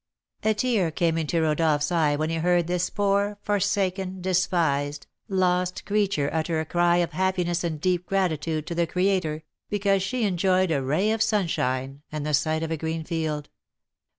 A tear came into Rodolph's eye when he heard this poor, forsaken, despised, lost creature utter a cry of happiness and deep gratitude to the Creator, because she enjoyed a ray of sunshine and the sight of a green field.